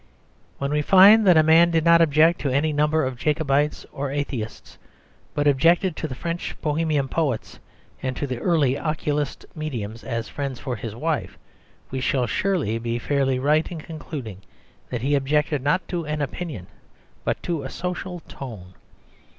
When we find that a man did not object to any number of Jacobites or Atheists, but objected to the French Bohemian poets and to the early occultist mediums as friends for his wife, we shall surely be fairly right in concluding that he objected not to an opinion, but to a social tone.